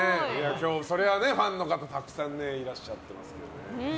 そりゃファンの方たくさんいらっしゃってますけど。